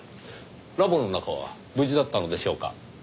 ラボの中は無事だったのでしょうか？